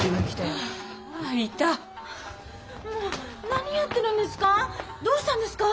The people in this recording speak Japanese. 何やってるんですか？